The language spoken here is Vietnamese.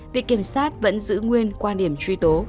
viện kiểm sát vẫn giữ nguyên quan điểm truy tố